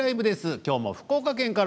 きょうも福岡県から。